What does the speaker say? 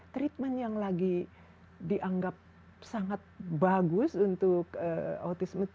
treatment yang lagi dianggap sangat bagus untuk autisme